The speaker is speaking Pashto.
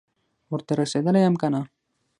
ورته رسېدلی یم که نه،